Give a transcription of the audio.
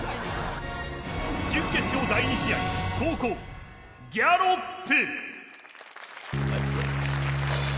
準決勝、第２試合後攻ギャロップ。